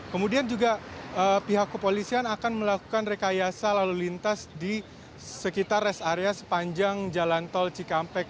kemudian juga pihak kepolisian akan melakukan rekayasa lalu lintas di sekitar rest area sepanjang jalan tol cikampek